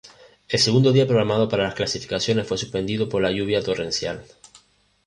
El segundo día programado para las clasificaciones fue suspendido por la lluvia torrencial.